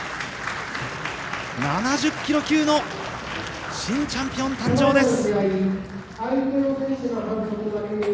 ７０キロ級の新チャンピオン誕生です！